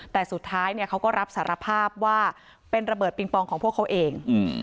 แต่สุดท้ายเขาก็รับสารภาพว่าเป็นระเบิดปิงปองของพวกเขาเอง